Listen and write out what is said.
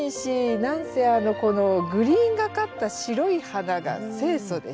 何せこのグリーンがかった白い花が清楚でしょ？